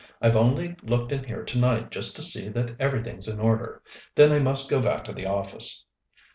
I've only looked in here tonight just to see that everything's in order. Then I must go back to the office."